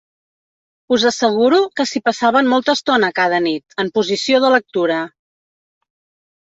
Us asseguro que s'hi passaven molta estona cada nit, en posició de lectura.